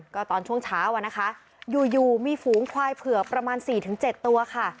ก็ตอนช่วงเช้าอะนะคะอยู่มีฝูงควายเผือกประมาณ๔๗ตัวค่ะ